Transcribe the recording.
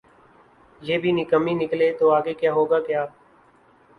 یہ بھی نکمیّ نکلے تو آگے ہوگاکیا؟